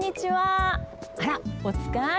あらおつかい？